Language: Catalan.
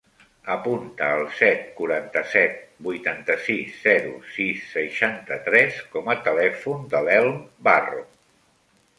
Apunta el set, quaranta-set, vuitanta-sis, zero, sis, seixanta-tres com a telèfon de l'Elm Barro.